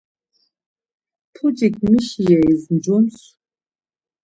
Pucik mişi yeris mcums?